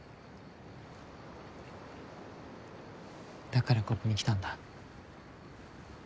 だからここに来たんだ。